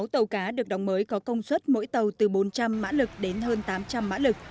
sáu tàu cá được đóng mới có công suất mỗi tàu từ bốn trăm linh mã lực đến hơn tám trăm linh mã lực